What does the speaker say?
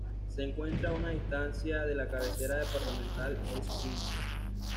Se encuentra a una distancia de la cabecera departamental Escuintla.